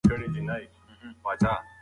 آیا باران به سږکال د کلي اقتصاد ته ګټه ورسوي؟